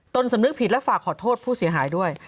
สำนึกผิดและฝากขอโทษผู้เสียหายด้วย